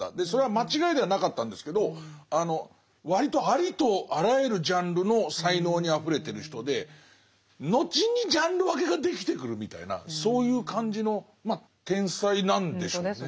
それは間違いではなかったんですけど割とありとあらゆるジャンルの才能にあふれてる人で後にジャンル分けができてくるみたいなそういう感じの天才なんでしょうね。